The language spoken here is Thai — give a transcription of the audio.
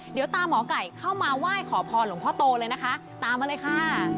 เดี๋ยวตามหมอไก่เข้ามาไหว้ขอพรหลวงพ่อโตเลยนะคะตามมาเลยค่ะ